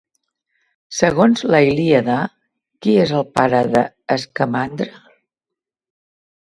Segons la Iíada, qui és el pare d'Escamandre?